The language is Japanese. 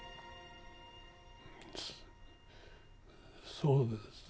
そうですね。